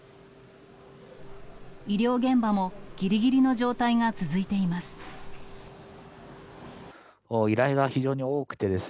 医療現場もぎりぎりの状態が続いています。